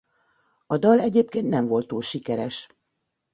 A dal egyébként nem volt túl sikeres.